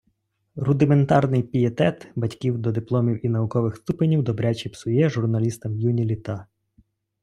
Рудиментарний пієтет батьків до дипломів і наукових ступенів добряче псує журналістам юні літа.